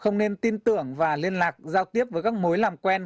không nên tin tưởng và liên lạc giao tiếp với các mối làm quen